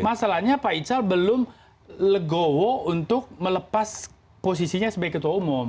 masalahnya pak ical belum legowo untuk melepas posisinya sebagai ketua umum